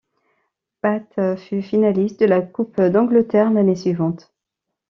Bath fut finaliste de la coupe d'Angleterre l'année suivante.